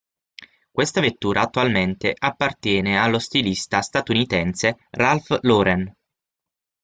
Questa vettura attualmente appartiene allo stilista statunitense Ralph Lauren.